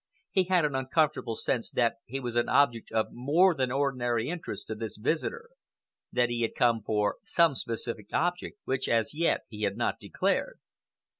He had an uncomfortable sense that he was an object of more than ordinary interest to this visitor, that he had come for some specific object which as yet he had not declared.